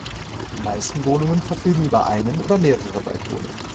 Die meisten Wohnungen verfügen über einen oder mehrere Balkone.